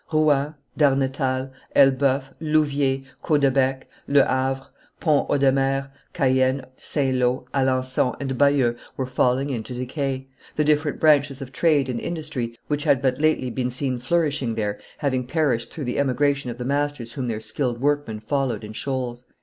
Rouen, Darnetal, Elbeuf, Louviers, Caudebec, Le Havre, Pont Audemer, Caen, St. Lo, Alencon, and Bayeux were falling into decay, the different branches of trade and industry which had but lately been seen flourishing there having perished through the emigration of the masters whom their skilled workmen followed in shoals."